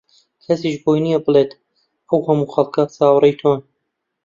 کەسیش بۆی نییە بڵێت ئەو هەموو خەڵکە چاوەڕێی تۆن